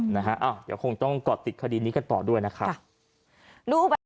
เดี๋ยวคงต้องกอดติดคดีนี้กันต่อด้วยนะครับ